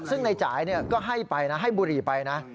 ซึ่งในจ่ายก็ให้ไปนะให้บุหรี่ไปนะ